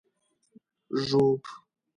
ږوب